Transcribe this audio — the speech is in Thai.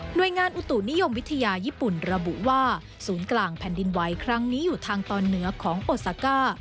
โดยงานอุตุนิยมวิทยาญี่ปุ่นระบุว่าศูนย์กลางแผ่นดินไหวครั้งนี้อยู่ทางตอนเหนือของโปซาก้า